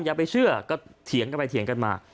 อย่าไปเชื่อก็เถียงกันไปเถียงกันมา